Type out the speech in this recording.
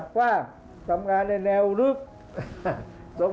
ภาคอีสานแห้งแรง